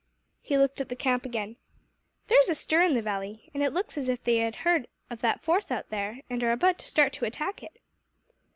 He looked at the camp again. "There is a stir in the valley, and it looks as if they had heard of that force out there, and are about to start to attack it."